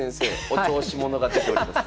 お調子者が出ております。